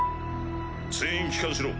全員帰艦しろ。